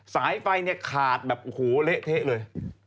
สายไฟเนี่ยขาดแบบโอ้โหเละเทะเลย